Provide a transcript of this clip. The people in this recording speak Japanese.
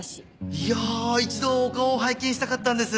いや一度お顔を拝見したかったんです。